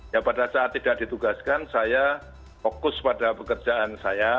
ya pada saat tidak ditugaskan saya fokus pada pekerjaan saya